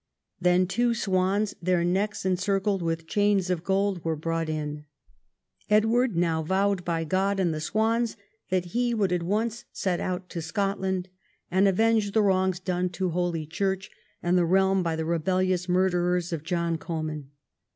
Then two swans, their necks encircled with chains of gold, were brought in. Edward now vowed by God and the swans that he would at once set out to Scotland, and avenge the wrongs done to Holy Church and the realm by the rebellious murderers of John Comyn.